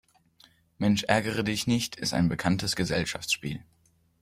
Mensch-Ärgere-Dich-nicht ist ein bekanntes Gesellschaftsspiel.